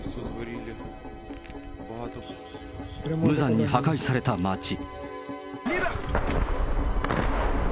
無残に破壊された街。